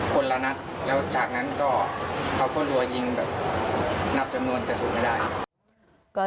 คนละนักแล้วจากนั้นก็เขาก็ลัวยิงแบบนับกระโส